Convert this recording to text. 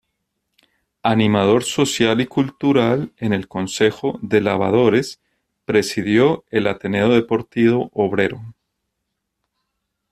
Animador social y cultural en el concejo de Lavadores, presidió el Ateneo Deportivo Obrero.